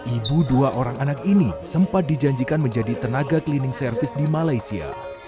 ibu dua orang anak ini sempat dijanjikan menjadi tenaga cleaning service di malaysia